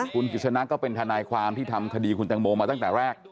คุณกิจสนะก็เป็นทนายความที่ทำคดีคุณแตงโมมาตั้งแต่แรก